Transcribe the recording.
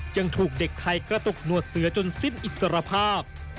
ยังถูกเด็กไทยกระตุกหนวดเสือจนสิ้นอิสรภาพ